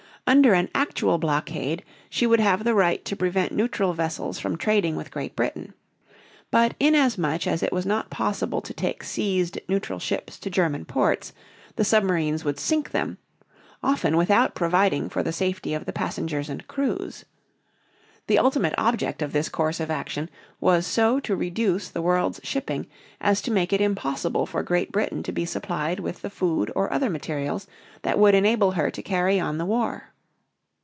Under an actual blockade she would have the right to prevent neutral vessels from trading with Great Britain. But inasmuch as it was not possible to take seized neutral ships to German ports, the submarines would sink them, often without providing for the safety of the passengers and crews. The ultimate object of this course of action was so to reduce the world's shipping as to make it impossible for Great Britain to be supplied with the food or other materials that would enable her to carry on the war.